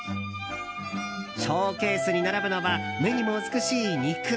ショーケースに並ぶのは目にも美しい肉。